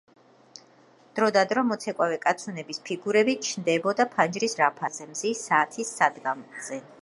დროდადრო მოცეკვავე კაცუნების ფიგურები ჩნდებოდა ფანჯრის რაფაზე, ხის ფარდულის კარზე, მზის საათის სადგმაზე.